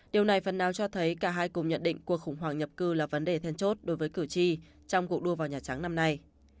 điều này phần nào cho thấy cả hai cùng nhận định cuộc khủng hoảng nhập cư là vấn đề then chốt đối với cử tri trong cuộc đua vào nhà trắng năm nay